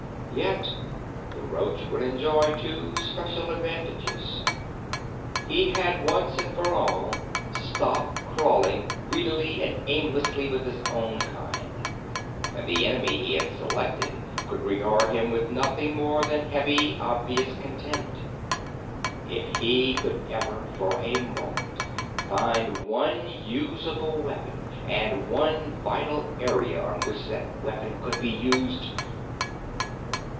Yet the roach would enjoy two special advantages. He had once and for all stopped crawling greedily and aimlessly with his own kind; and the enemy he had selected could regard him with nothing more than heavy oblivious contempt. If he could ever for a moment find one usable weapon and one vital area on which that weapon could be used....